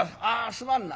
すまんな。